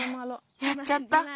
やっちゃった。